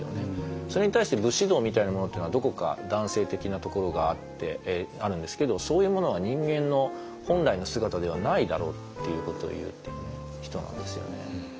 それに対して武士道みたいなものっていうのはどこか男性的なところがあるんですけどそういうものは人間の本来の姿ではないだろうっていうことをいっている人なんですよね。